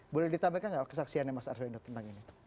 boleh ditampilkan nggak kesaksiannya mas arswendo tentang ini